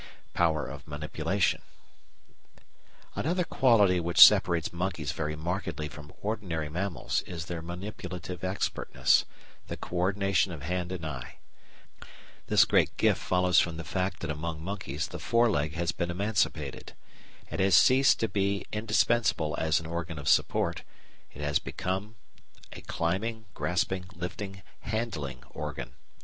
Power of Manipulation Another quality which separates monkeys very markedly from ordinary mammals is their manipulative expertness, the co ordination of hand and eye. This great gift follows from the fact that among monkeys the fore leg has been emancipated. It has ceased to be indispensable as an organ of support; it has become a climbing, grasping, lifting, handling organ.